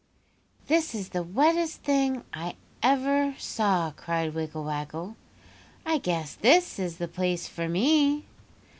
This is the wettest thing I ever saw!' cried Wiggle Waggle. 'I guess this is the place for me!